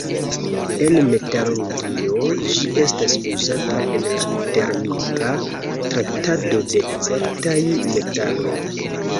En metalurgio, ĝi estas uzata en la termika traktado de certaj metaloj.